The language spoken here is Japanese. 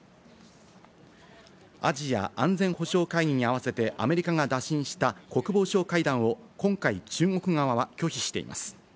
アジア安全保障会議に合わせてアメリカが打診した国防相会談を今回、中国側は拒否しています。